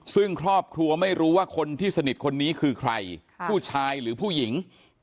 ซึ่งครอบครัวไม่รู้ว่าคนที่สนิทคนนี้คือใครผู้ชายหรือผู้หญิง